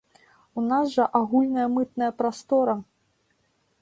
У нас жа агульная мытная прастора!